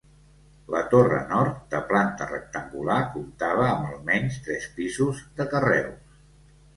La torre nord, de planta rectangular, comptava amb almenys tres pisos, de carreus.